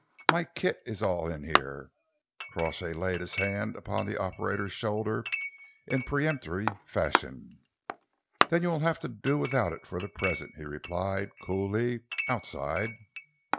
"My kit is all in here." Crawshay laid his hand upon the operator's shoulder in peremptory fashion. "Then you will have to do without it for the present," he replied coolly. "Outside."